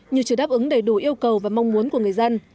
nhưng chưa đáp ứng đầy đủ yêu cầu và mong muốn của người dân